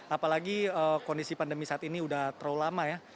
apalagi kondisi pandemi saat ini sudah terlalu lama ya